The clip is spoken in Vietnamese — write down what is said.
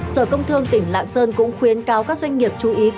sở công thương tỉnh lạng sơn cũng khuyến cáo các doanh nghiệp chú ý